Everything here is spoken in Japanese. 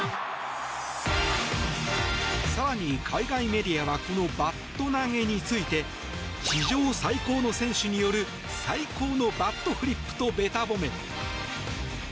更に海外メディアはこのバット投げについて史上最高の選手による最高のバットフリップとべた褒め！